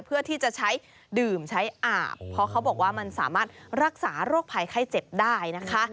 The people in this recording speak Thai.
เพื่อที่จะใช้ดื่มใช้อาบเพราะเขาบอกว่ามันสามารถรักษาโรคภัยไข้เจ็บได้นะคะ